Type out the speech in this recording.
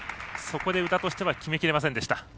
そこで宇田としては決めきれませんでした。